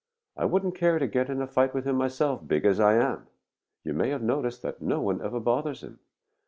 I wouldn't care to get in a fight with him myself, big as I am. You may have noticed that no one ever bothers him."